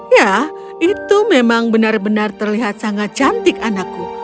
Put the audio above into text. ya itu memang benar benar terlihat sangat cantik anakku